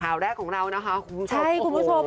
ข่าวแรกของเรานะคะคุณผู้ชม